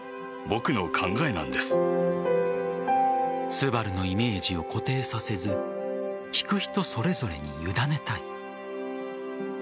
「昴」のイメージを固定させず聴く人それぞれに委ねたい。